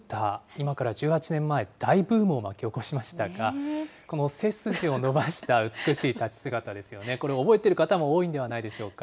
今から１８年前、大ブームを巻き起こしましたが、この背筋を伸ばした美しい立ち姿ですよね、これ、覚えている方も多いんではないでしょうか。